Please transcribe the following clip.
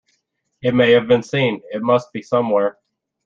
It may have been seen; it must be somewhere.